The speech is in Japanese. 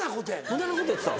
無駄なことやってた？